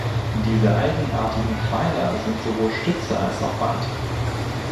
Diese eigenartigen Pfeiler sind sowohl Stütze als auch Wand.